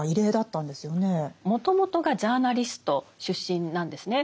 もともとがジャーナリスト出身なんですね。